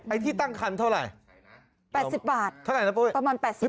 ที่ตั้งคันเท่าไหร่๘๐บาทเท่าไหร่นะปุ้ยประมาณ๘๐บาท